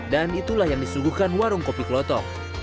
dan itulah yang disuguhkan warung kopi klotok